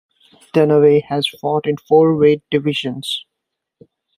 Dunaway has fought in four weight divisions.